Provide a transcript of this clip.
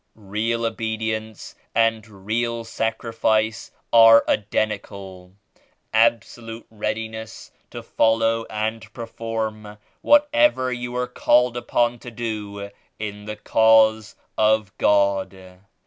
"Real obedience and real sacrifice are identi cal — absolute readiness to follow and perform whatever you are called upon to do in the Cause of God.